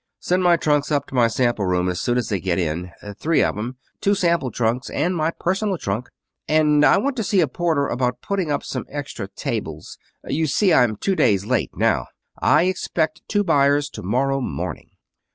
"Send my trunks up to my sample room as soon as they get in. Three of 'em two sample trunks and my personal trunk. And I want to see a porter about putting up some extra tables. You see, I'm two days late now. I expect two buyers to morrow morning.